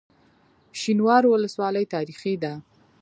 شینوارو ولسوالۍ تاریخي ده؟